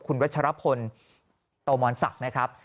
คุณวัชรพลโตมรสักนะครับ